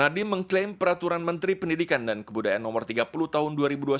nadiem mengklaim peraturan menteri pendidikan dan kebudayaan no tiga puluh tahun dua ribu dua puluh satu